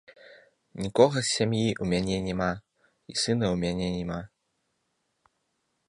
Нікога з сям'і ў мяне няма, і сына ў мяне няма!